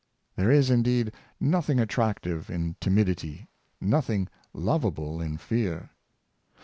There is, indeed, nothing attractive in timidity, noth ing lovable in fear.